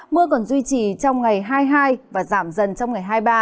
mưa còn duy trì trong ngày hai mươi hai và giảm dần trong ngày hai mươi ba